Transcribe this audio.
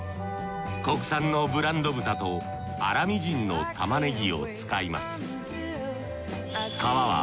国産のブランド豚と粗みじんの玉ねぎを使います